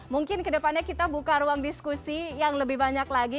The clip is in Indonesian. mungkin kedepannya kita buka ruang diskusi yang lebih banyak lagi